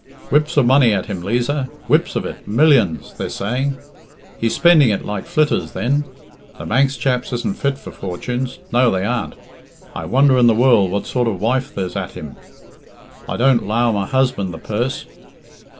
"Whips of money at him, Liza whips of it millions, they're saying." "He's spending it like flitters then. The Manx chaps isn't fit for fortunes no, they aren't. I wonder in the world what sort of wife there's at him. I don't 'low my husband the purse.